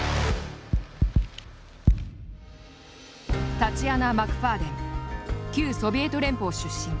タチアナ・マクファーデン旧ソビエト連邦出身。